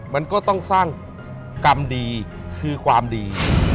มันก็ต้องสร้างกรรมดีคือความดี